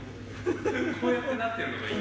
・こうやってなってるのがいい？